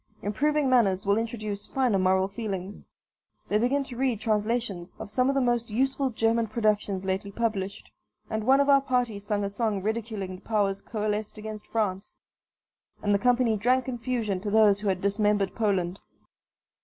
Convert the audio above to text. Improving manners will introduce finer moral feelings. They begin to read translations of some of the most useful German productions lately published, and one of our party sung a song ridiculing the powers coalesced against France, and the company drank confusion to those who had dismembered Poland.